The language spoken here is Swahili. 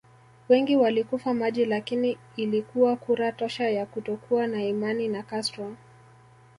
Wengi walikufa maji lakini ilikuwa kura tosha ya kutokuwa na imani na Castro